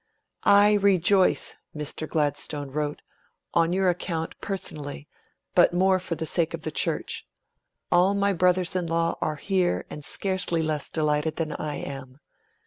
'I rejoice,' Mr Gladstone wrote, 'on your account personally; but more for the sake of the Church. All my brothers in law are here and scarcely less delighted than I am.